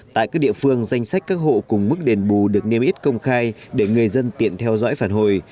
tại các địa phương danh sách các hộ cùng mức đền bù được niêm yết công khai để người dân tiện theo dõi phản hồi